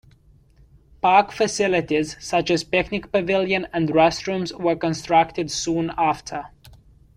Park facilities such as a picnic pavilion and restrooms were constructed soon after.